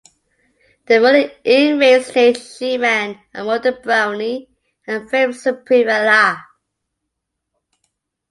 They murder inmates Nate Shemin and Mondo Browne, and frame Supreme Allah.